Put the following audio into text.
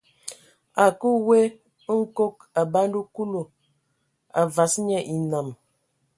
A kǝə we nkog, a banda Kulu, a vas nye enam.